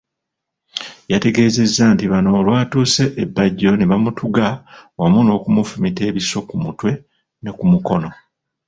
Yategeezezza nti bano olwatuuse e Bajjo ne bamutuga wamu n'okumufumita ebiso ku mutwe ne kumukono.